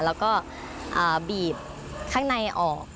แล้วก็บีบข้างในออก